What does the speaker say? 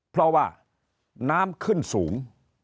เพราะว่าน้ำขึ้นสูง